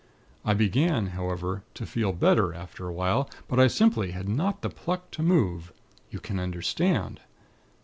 I began, however, to feel better, after a while; but I simply had not the pluck to move. You can understand?